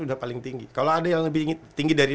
udah paling tinggi kalau ada yang lebih tinggi dari